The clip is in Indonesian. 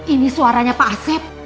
ini suaranya pak asyik